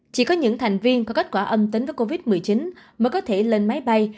chỉ có những thành viên có kết quả âm tính với covid một mươi chín mới có thể lên máy bay